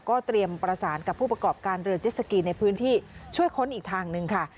เตรียมประสานกับผู้ประกอบการเรือเจสสกีในพื้นที่ช่วยค้นอีกทางหนึ่งค่ะ